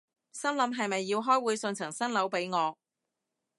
心諗係咪要開會送層新樓畀我